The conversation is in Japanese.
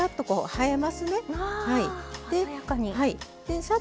はい。